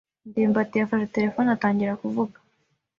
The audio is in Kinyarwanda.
ndimbati yafashe terefone atangira kuvuga.